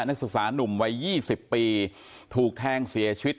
นักศึกษานุ่มวัย๒๐ปีถูกแทงเสียชีวิต